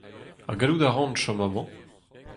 Ha gellout a ran chom amañ ?